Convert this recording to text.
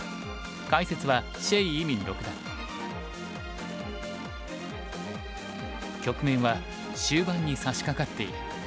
解説は局面は終盤にさしかかっている。